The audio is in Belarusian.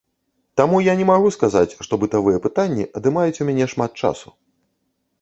Таму я не магу сказаць, што бытавая пытанні адымаюць у мяне шмат часу.